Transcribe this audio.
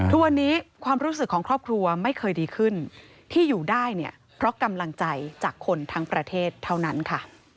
ทุกวันนี้ความรู้สึกของครอบครัวไม่เคยดีขึ้นที่อยู่ได้เนี่ยเพราะกำลังใจจากคนทั้งประเทศเท่านั้นค่ะ